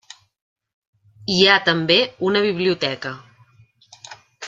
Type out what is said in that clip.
Hi ha també una biblioteca.